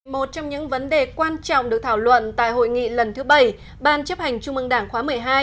một trong những vấn đề quan trọng được thảo luận tại hội nghị lần thứ bảy ban chấp hành trung ương đảng khóa một mươi hai